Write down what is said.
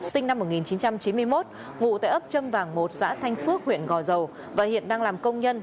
sinh năm một nghìn chín trăm chín mươi một ngụ tại ấp châm vàng một xã thanh phước huyện gò dầu và hiện đang làm công nhân